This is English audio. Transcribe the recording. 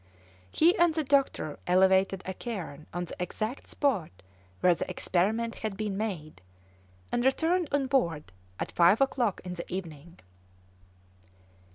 He and the doctor elevated a cairn on the exact spot where the experiment had been made, and returned on board at five o'clock in the evening.